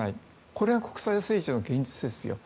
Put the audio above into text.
これが国際政治の現実ですよ。